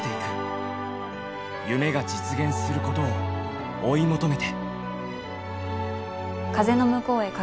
夢が実現することを追い求めて。